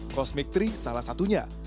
cosmic tree salah satunya